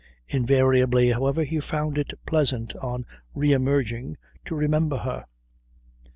Invariably, however, he found it pleasant on re emerging to remember her.